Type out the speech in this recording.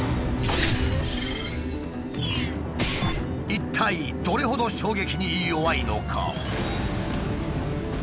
一体どれほど衝撃に弱いのか？